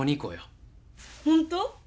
本当？